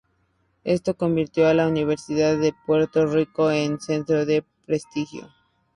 Esto convirtió a la Universidad de Puerto Rico en un centro de prestigio.